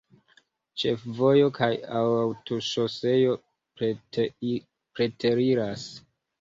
Ĉefvojo kaj aŭtoŝoseo preteriras.